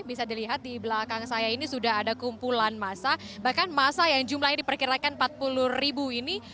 bisa dilihat di belakang saya ini sudah ada kumpulan masa bahkan masa yang jumlahnya diperkirakan empat puluh ribu ini